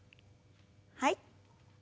はい。